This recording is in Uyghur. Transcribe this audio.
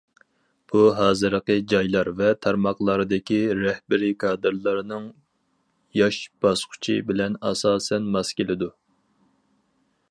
بۇ ھازىرقى جايلار ۋە تارماقلاردىكى رەھبىرىي كادىرلارنىڭ ياش باسقۇچى بىلەن ئاساسەن ماس كېلىدۇ.